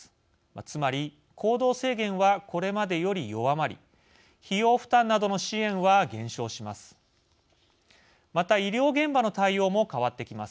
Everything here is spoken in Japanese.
つまり、行動制限はこれまでより弱まり費用負担などの支援は減少します。